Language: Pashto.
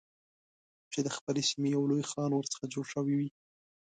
چې د خپلې سیمې یو لوی خان ورڅخه جوړ شوی وي.